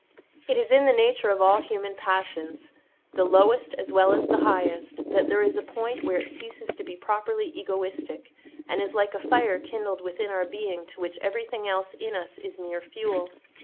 It is in the nature of all human passion, the lowest as well as the highest, that there is a point where it ceases to be properly egoistic, and is like a fire kindled within our being to which everything else in us is mere fuel.